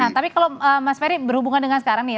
nah tapi kalau mas ferry berhubungan dengan sekarang nih ya